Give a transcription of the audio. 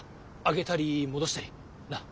上げたり戻したりなっ。